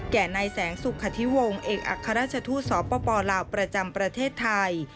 แก่นายแสงสุขธิวงศ์เอกอัครราชทูตสปลาวประจำประเทศไทย